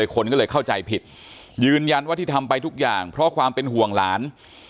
คนก็เลยเข้าใจผิดยืนยันว่าที่ทำไปทุกอย่างเพราะความเป็นห่วงหลาน